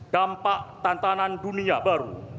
dampak tantanan dunia baru